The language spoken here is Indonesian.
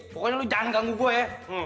pokoknya lo jangan ganggu gue ya